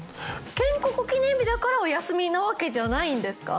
建国記念日だからお休みなわけじゃないんですか？